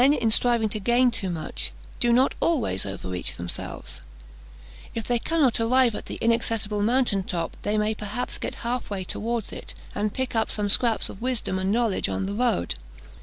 Men, in striving to gain too much, do not always overreach themselves; if they cannot arrive at the inaccessible mountain top, they may perhaps get half way towards it, and pick up some scraps of wisdom and knowledge on the road.